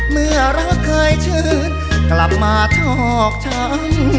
เมื่อรักเคยชืดกลับมาทรอกฉัน